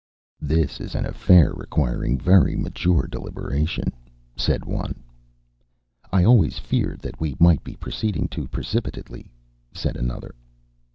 "This is an affair requiring very mature deliberation," said one. "I always feared that we might be proceeding too precipitately," said another.